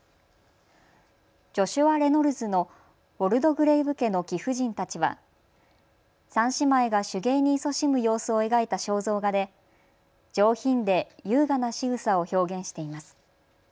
ジョシュア・レノルズのウォルドグレイヴ家の貴婦人たちは３姉妹が手芸にいそしむ様子を描いた肖像画で上品で優雅なしぐさを表現しています。